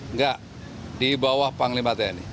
enggak di bawah panglima tni